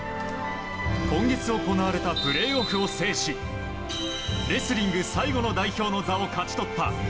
今月行われたプレーオフを制しレスリング最後の代表の座を勝ち取った。